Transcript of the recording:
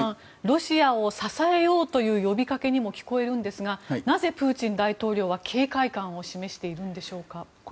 ロシアを支えようという呼びかけにも聞こえるんですがなぜプーチン大統領は警戒感を示しているんでしょうか。